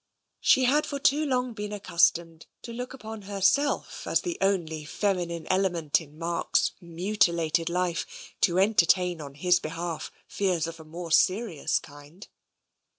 She had for too long been accustomed to look upon her self as the only feminine element in Mark's mutilated life, to entertain on his behalf fears of a more serious kind.